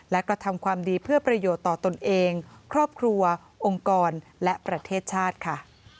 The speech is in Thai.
และกระทำความดีเพื่อประโยชน์ต่อตนเองครอบครัวองค์กรและประเทศชาติค่ะ